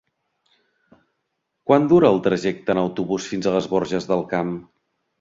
Quant dura el trajecte en autobús fins a les Borges del Camp?